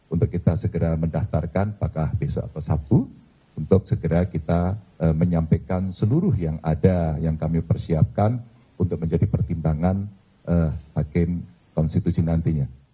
untuk kita segera mendaftarkan apakah besok atau sabtu untuk segera kita menyampaikan seluruh yang ada yang kami persiapkan untuk menjadi pertimbangan hakim konstitusi nantinya